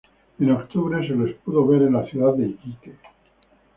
En octubre, se les pudo ver en la ciudad de Iquique.